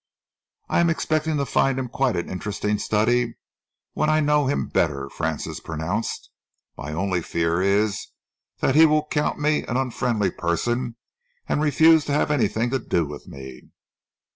"I am expecting to find him quite an interesting study, when I know him better," Francis pronounced. "My only fear is that he will count me an unfriendly person and refuse to have anything to do with me."